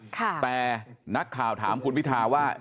แต่นักข่าวถามคุณพิทาว่า